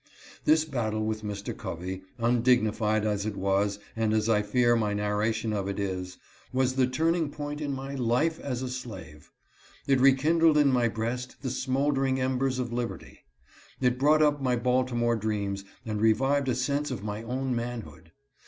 u This battle with Mr. Covey, undignified as it was and as T""fea'r~ihy narration of it is, was^ the turning point in my " life as a slave." It rekindled in my breast the smouldering embers of liberty. It brought up my Baltimore dreams and revived a sense of my own manhood.